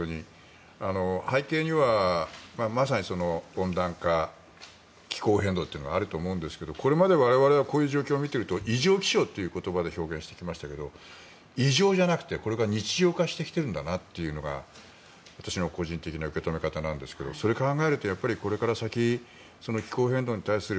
背景にはまさに温暖化気候変動があると思いますがこれまで我々がこういう状況を見ていると異常気象という言葉で表現してきましたが異常じゃなくてこれが日常化してきているんだなというのが私の個人的な受け止め方なんですけどそれを考えるとこれから先気候変動に対する